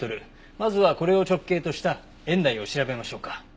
まずはこれを直径とした円内を調べましょうか。